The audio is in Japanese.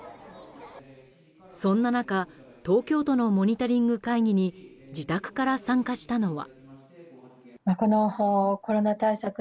そんな中、東京都のモニタリング会議に自宅から参加したのは。